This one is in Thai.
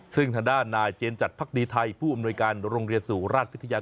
ซึ่งทางด้านนายเจนจัดพักดีไทยผู้อำนวยการโรงเรียนสู่ราชพิทยา